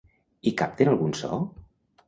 I capten algun so?